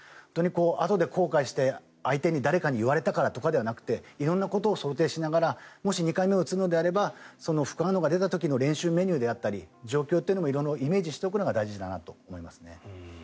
あとで後悔して、誰かに言われたからとかではなくて色んなことを想定しながらもし２回目を打つなら副反応が出た時の練習メニューであったり状況というのをイメージしておくのも大事だなと思いますね。